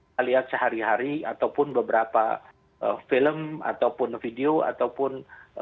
kita lihat sehari hari ataupun beberapa film ataupun video ataupun